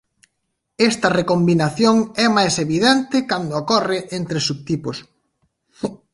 Esta recombinación é máis evidente cando ocorre entre subtipos.